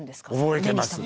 覚えてます。